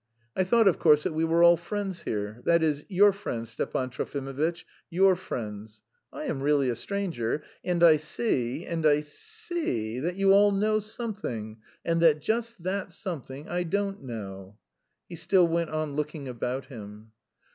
I thought, of course, that we were all friends here, that is, your friends, Stepan Trofimovitch, your friends. I am really a stranger, and I see... and I see that you all know something, and that just that something I don't know." He still went on looking about him.